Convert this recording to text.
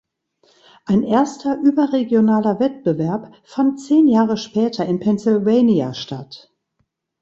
Ein erster überregionaler Wettbewerb fand zehn Jahre später in Pennsylvania statt.